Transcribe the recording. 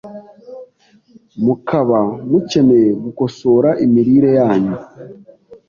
mukaba mukeneye gukosora imirire yanyu